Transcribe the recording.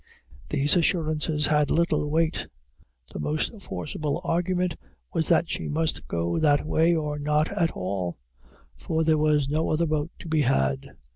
These assurances had little weight: the most forcible argument was that she must go that way or not at all, for there was no other boat to be had.